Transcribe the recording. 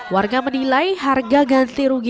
warga menilai harga ganti rugi